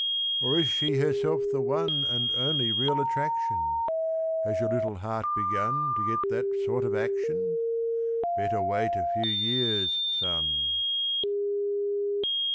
Or is she herself the one And only real attraction? Has your little heart begun To get that sort of action? Better wait a few years, son.